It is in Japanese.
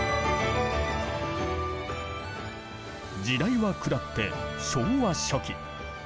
時代は下って昭和初期。